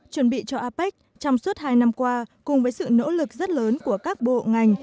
chuẩn bị cho apec trong suốt hai năm qua cùng với sự nỗ lực rất lớn của các bộ ngành